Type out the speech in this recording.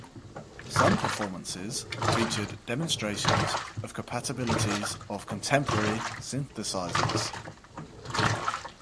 Some performances featured demonstrations of capabilities of contemporary synthesizers.